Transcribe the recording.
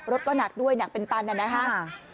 รถก็หนักด้วยหนักเป็นตันนะครับ